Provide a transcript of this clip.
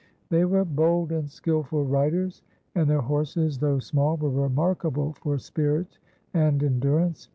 They were bold and skilful riders, and their horses, though small, were remarkable for spirit and endurance.